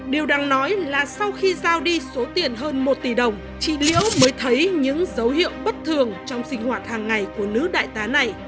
điều đáng nói là sau khi giao đi số tiền hơn một tỷ đồng chị liễu mới thấy những dấu hiệu bất thường trong sinh hoạt hàng ngày của nữ đại tá này